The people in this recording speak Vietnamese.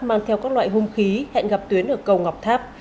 mang theo các loại hung khí hẹn gặp tuyến ở cầu ngọc tháp